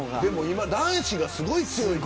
今は男子がすごい強い。